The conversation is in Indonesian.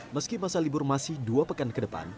meski masa libur masih dua pekan ke depan